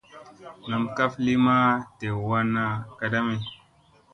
Nam kaf li maa dew wanna kadami.